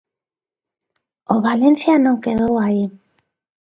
O Valencia non quedou aí.